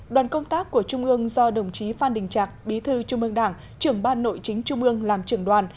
đoàn công tác của trung ương do đồng chí phan đình trạc bí thư trung ương đảng trưởng ban nội chính trung ương làm trưởng đoàn